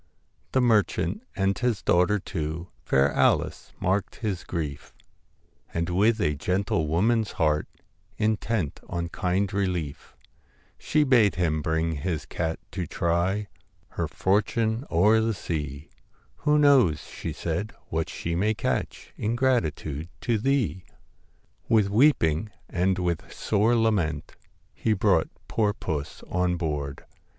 The merchant and his daughter too, Fair Alice, marked his grief, And with a gentle woman's heart, Intent on kind relief, She bade him bring his cat to try Her fortune o'er the sea ; 1 Who knows,' she said, ' what she may catch In gratitude to thee !' With weeping and with sore lament He brought poor puss on board.